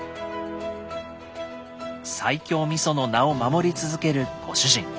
西京みその名を守り続けるご主人。